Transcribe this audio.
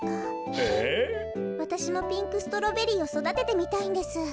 わたしもピンクストロベリーをそだててみたいんです。